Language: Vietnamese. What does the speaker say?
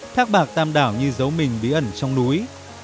thác bạc tam đảo như giấu mình bí ẩn trong núi